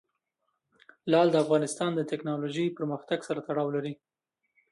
لعل د افغانستان د تکنالوژۍ پرمختګ سره تړاو لري.